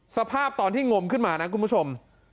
สภาพตอนที่งมขึ้นมานะคุณผู้ชม